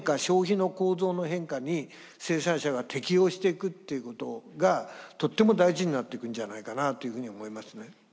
消費の構造の変化に生産者が適応していくっていうことがとっても大事になっていくんじゃないかなというふうに思いますね。